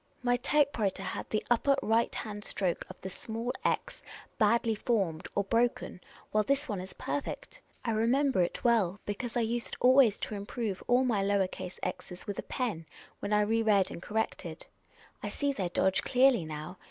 My type writer had the upper right hand stroke of the small x badly formed, or broken, while this one is perfect. I remember it well, because I used always to improve all my lower case .r's with a pen when I re read and corrected. I see their dodge clearly now.